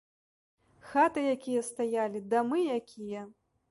Хаты якія стаялі, дамы якія!